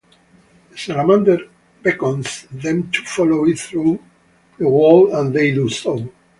A salamander beckons them to follow it through the wall and they do so.